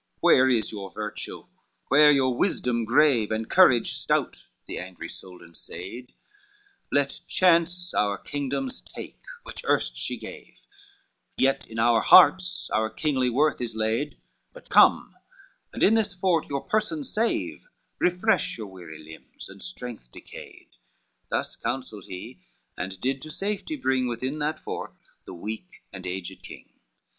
XLI "Where is your virtue, where your wisdom grave, And courage stout?" the angry Soldan said, "Let chance our kingdoms take which erst she gave, Yet in our hearts our kingly worth is laid; But come, and in this fort your person save, Refresh your weary limbs and strength decayed:" Thus counselled he, and did to safety bring Within that fort the weak and aged king.